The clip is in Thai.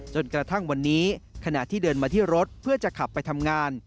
จนกระทั่งวันนี้ขณะที่เดินมาที่รถเพื่อจะขับไปทำงาน